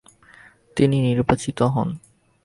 তিনি নির্বাচিত হন।